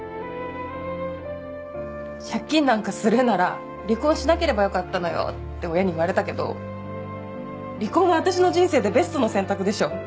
「借金なんかするなら離婚しなければよかったのよ」って親に言われたけど離婚は私の人生でベストの選択でしょ。